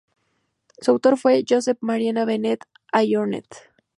Su autor fue Josep Maria Benet i Jornet.